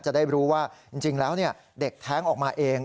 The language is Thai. จะได้รู้ว่าจริงแล้วเด็กแท้งออกมาเอง